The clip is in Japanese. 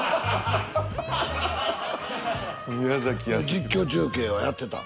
実況中継はやってたん？